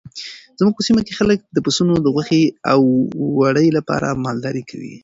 زموږ په سیمه کې خلک د پسونو د غوښې او وړۍ لپاره مالداري کوي.